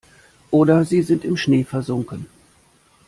Oder sie sind im Schnee versunken.